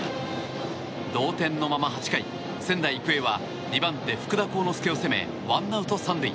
同点のまま８回、仙台育英は２番手、福田幸之介を攻めワンアウト３塁。